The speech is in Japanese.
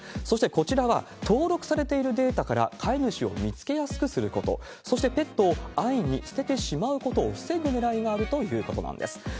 そしてこちらは、登録されているデータから飼い主を見つけやすくすること、そしてペットを安易に捨ててしまうことを防ぐねらいがあるということなんです。